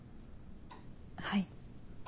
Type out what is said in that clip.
はい。